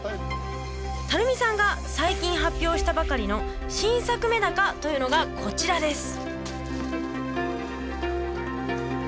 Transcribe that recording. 垂水さんが最近発表したばかりの新作メダカというのがこちらです。